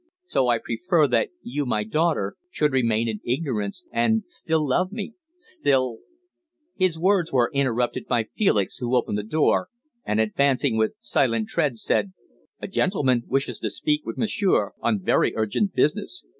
So I prefer that you, my daughter, should remain in ignorance, and still love me still " His words were interrupted by Felix, who opened the door, and, advancing with silent tread, said "A gentleman wishes to speak with m'sieur on very urgent business.